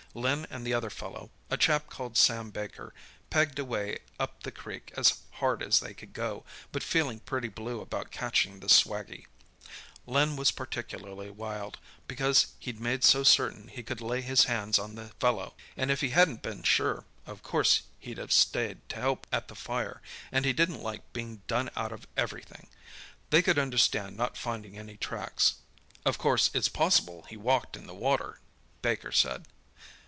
"Len and the other fellow, a chap called Sam Baker, pegged away up the creek as hard as they could go, but feeling pretty blue about catching the swaggie. Len was particularly wild, because he'd made so certain he could lay his hands on the fellow, and if he hadn't been sure, of course he'd have stayed to help at the fire, and he didn't like being done out of everything! They could understand not finding any tracks. "'Of course it's possible he's walked in the water,' Baker said.